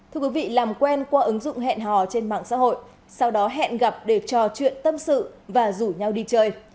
thưa quý vị làm quen qua ứng dụng hẹn hò trên mạng xã hội sau đó hẹn gặp để trò chuyện tâm sự và rủ nhau đi chơi